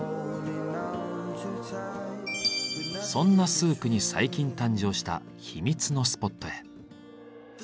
そんなスークに最近誕生した秘密のスポットへ。